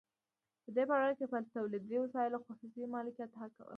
په دې پړاو کې په تولیدي وسایلو خصوصي مالکیت حاکم دی